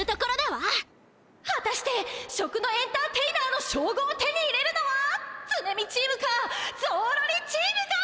はたして食のエンターテイナーのしょうごうを手に入れるのはツネ美チームかゾーロリチームか！？